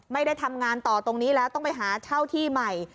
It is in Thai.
ไม่ได้ทำงานต่อตรงนี้แล้วต้องไปหาเช่าที่ใหม่